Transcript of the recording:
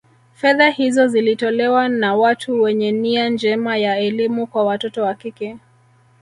Fedha hizo zilitolewa na watu wenye nia njema ya elimu kwa watoto wa kike